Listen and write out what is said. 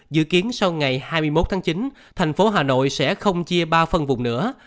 dự kiến sau ngày hai mươi một tháng chín thành phố hà nội sẽ không chia ba phân vùng nữa